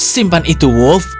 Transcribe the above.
simpan itu wolf